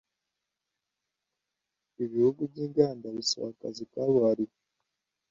Ibihugu byinganda bisaba akazi kabuhariwe.